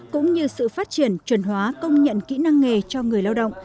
cũng như sự phát triển chuẩn hóa công nhận kỹ năng nghề cho người lao động